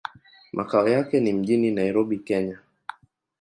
Makao yake ni mjini Nairobi, Kenya.